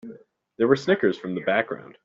There were snickers from the background.